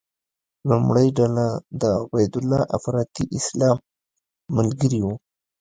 لومړۍ ډله د عبیدالله افراطي اسلام ملګري وو.